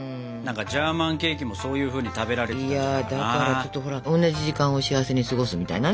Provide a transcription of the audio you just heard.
ちょっとほら同じ時間を幸せに過ごすみたいなね。